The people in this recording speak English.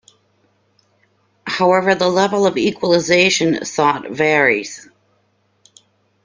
However the level of equalisation sought varies.